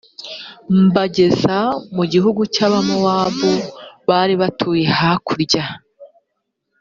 mbageza mu gihugu cy abamori bari batuye hakurya